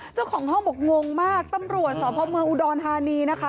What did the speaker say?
เจ้าของห้องบอกงงมากตำรวจสพเมืองอุดรธานีนะคะ